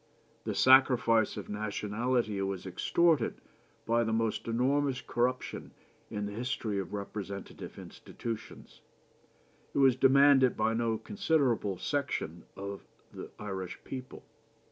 The sacrifice of nationality was extorted by the most enormous corruption in the history of representative institutions. It was demanded by no considerable section of the Irish people.